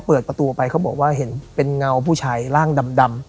เปิดประตูไปเขาบอกว่าเห็นเป็นเงาผู้ชายร่างดำ